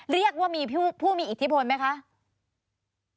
เรียกว่ามีผู้มีอิทธิพลไหมคะ